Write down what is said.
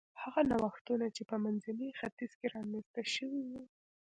هغه نوښتونه چې په منځني ختیځ کې رامنځته شوي و